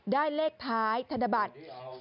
ได้เลขท้ายธนบัตร